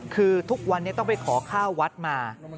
คือทุกวันนี้ต้องไปขอข้าววัดมา